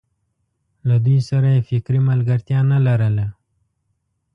له دوی سره یې فکري ملګرتیا نه لرله.